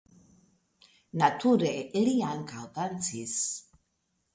Nature li ankaŭ dancis.